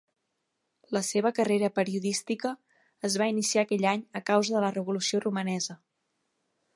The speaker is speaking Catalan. La seva carrera periodística es va iniciar aquell any a causa de la revolució romanesa.